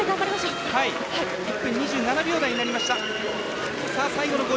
１分２７秒台になりました。